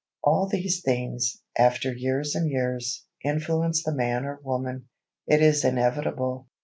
All these things, after years and years, influence the man or woman. It is inevitable.